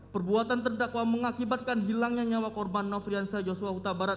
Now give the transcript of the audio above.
perbuatan terdakwa mengakibatkan hilangnya nyawa korban nofriansah yosua huta barat